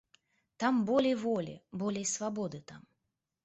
Там болей волі, болей свабоды там.